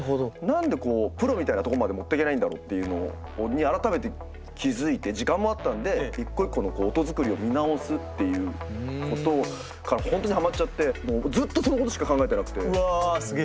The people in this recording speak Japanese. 何でこうプロみたいなとこまで持ってけないんだろうっていうのに改めて気付いて時間もあったんで一個一個の音作りを見直すっていうことから本当にハマっちゃってずっとそのことしか考えてなくて。